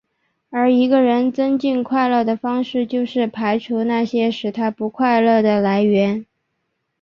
而一个人增进快乐的方式就是排除那些使他不快乐的来源。